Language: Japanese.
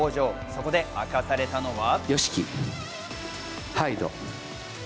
そこで明かされたのは。